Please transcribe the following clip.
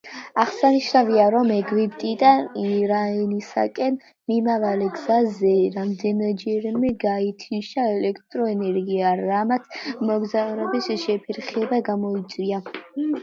აღსანიშნავია, რომ ეგვიპტიდან ირანისაკენ მიმავალ გზაზე რამდენჯერმე გაითიშა ელექტრო ენერგია, რამაც მოგზაურობის შეფერხება გამოიწვია.